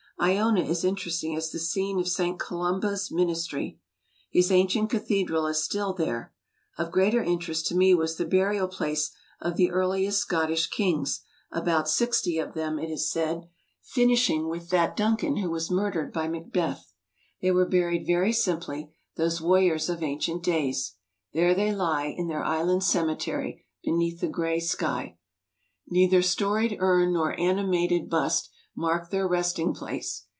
lona is interesting as the scene of St. Columba's ministry. His ancient cathedral is still there. Of greater interest to me was the burial place of the earliest Scottish kings, about sixty of them, it is said, finish 1 82 1 r i Digilized by Google ing with chat Duncan who was murdered by Macbeth. They were buried very simply, those warriors of ancient days. There they lie, in their island cemetery, beneath the gray sky. Neither "storied um nor animated bust" mark their resting place.